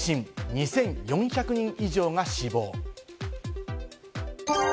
２４００人以上が死亡。